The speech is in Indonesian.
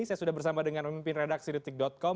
saya sudah bersama dengan memimpin redaksi the tick com